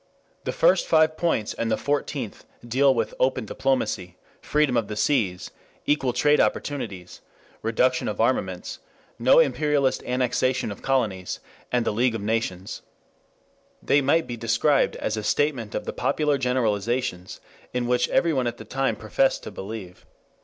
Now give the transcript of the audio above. The first five points and the fourteenth deal with "open diplomacy," "freedom of the seas," "equal trade opportunities," "reduction of armaments," no imperialist annexation of colonies, and the League of Nations. They might be described as a statement of the popular generalizations in which everyone at that time professed to believe.